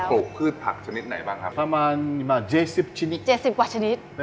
ปลูกพืชผักชนิดไหนบ้างครับ